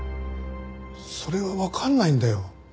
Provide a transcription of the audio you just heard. それがわからないんだよ。